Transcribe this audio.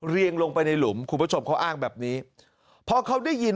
เรียงลงไปในหลุมคุณผู้ชมเขาอ้างแบบนี้พอเขาได้ยิน